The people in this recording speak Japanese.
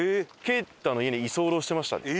啓太の家に居候してましたね。